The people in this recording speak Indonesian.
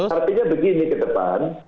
artinya begini kedepan